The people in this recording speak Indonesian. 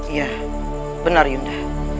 iya benar yunda